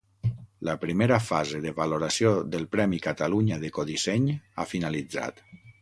La primera fase de valoració del Premi Catalunya d'Ecodisseny ha finalitzat.